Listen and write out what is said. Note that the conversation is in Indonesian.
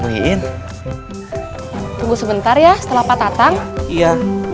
nungguin tunggu sebentar ya setelah pak tatang iya